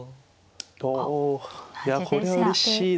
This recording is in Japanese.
おいやこれはうれしいですね。